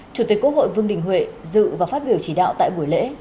chủ tịch quốc hội vương đình huệ dự và phát biểu chỉ đạo tại buổi lễ